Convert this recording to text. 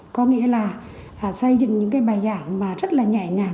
có nghĩa là xây dựng những bài giảng rất nhẹ nhàng